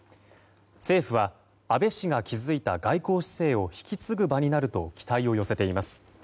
政府は安倍氏が築いた外交姿勢を引き継ぐ場になると期待を寄せています。